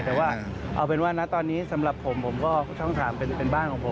แต่ว่าเอาเป็นว่านะตอนนี้สำหรับผมผมก็ช่อง๓เป็นบ้านของผม